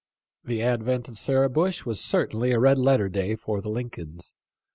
The advent of Sarah Bush was certainly a red letter day for the Lincolns.